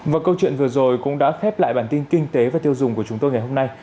và câu chuyện vừa rồi cũng đã khép lại bản tin kinh tế và tiêu dùng của chúng tôi ngày hôm nay